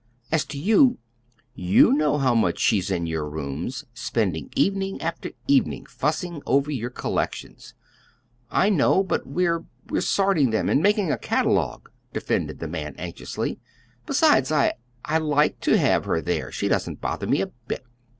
As to you you know how much she's in your rooms, spending evening after evening fussing over your collections." "I know; but we're we're sorting them and making a catalogue," defended the man, anxiously. "Besides, I I like to have her there. She doesn't bother me a bit."